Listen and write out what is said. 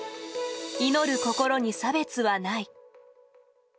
祈る心に差別はない。